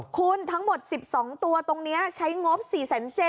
คุณทั้งหมดสิบสองตัวใช้งบสี่แสนเจน